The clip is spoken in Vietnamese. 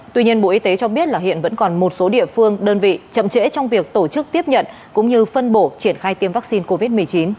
tuy nhiên bộ y tế cho biết là hiện vẫn còn một số địa phương đơn vị chậm trễ trong việc tổ chức tiếp nhận cũng như phân bổ triển khai tiêm vaccine covid một mươi chín